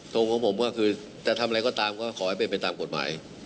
ของผมก็คือจะทำอะไรก็ตามก็ขอให้เป็นไปตามกฎหมาย